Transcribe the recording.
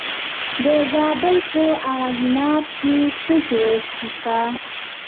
د زابل په ارغنداب کې څه شی شته؟